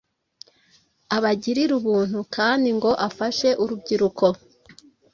abagirire ubuntu kandi ngo afashe urubyiruko,